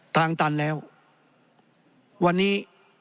ทางตันแล้ววันนี้